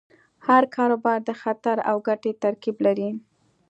هر کاروبار د خطر او ګټې ترکیب لري.